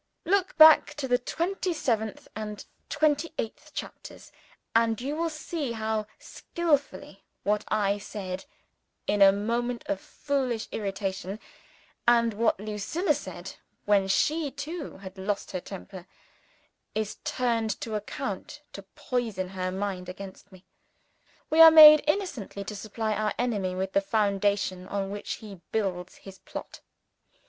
Look back to the twenty seventh and twenty eighth chapters, and you will see how skillfully what I said in a moment of foolish irritation, and what Lucilla said when she too had lost her temper, is turned to account to poison her mind against me. We are made innocently to supply our enemy with the foundation on which he builds his plot.